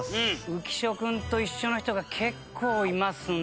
浮所君と一緒の人が結構いますね。